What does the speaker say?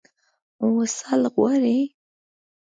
وصال غواړي.